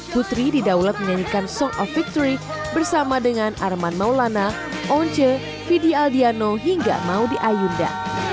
putri didaulat menyanyikan song of victory bersama dengan arman maulana once fidi aldiano hingga maudie ayunda